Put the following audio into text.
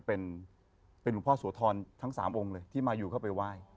เป็นลูกพ่อโสธรทั้ง๓องค์เลยที่มายูเข้าไปว่าย